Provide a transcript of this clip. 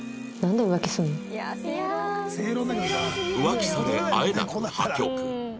浮気されあえなく破局